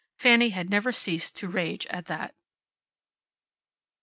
Fanny had never ceased to rage at that.